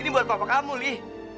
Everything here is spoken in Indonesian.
ini buat papa kamu li